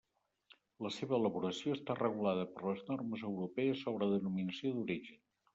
La seva elaboració està regulada per les normes europees sobre denominació d'origen.